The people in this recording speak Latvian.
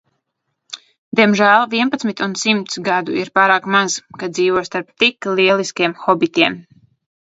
Diemžēl, vienpadsmit un simts gadu ir pārāk maz, kad dzīvo starp tik lieliskiem hobitiem!